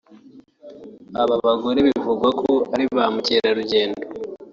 Aba bagore bivugwa ko ari ba mukerarugendo